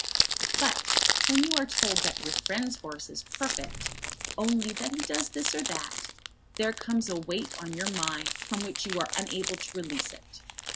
But when you are told that your friend's horse is perfect, only that he does this or that, there comes a weight on your mind from which you are unable to release it.